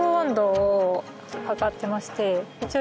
一応。